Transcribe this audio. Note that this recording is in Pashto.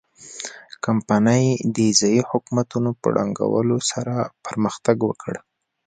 کمپنۍ د ځايي حکومتونو په ړنګولو سره پرمختګ وکړ.